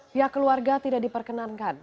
pihak keluarga tidak diperkenankan